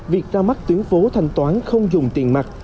việc ra mắt tuyến phố thanh toán không dùng tiền mặt